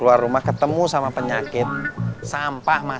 ibu kan cuma nyuruh kamu beli telur di warung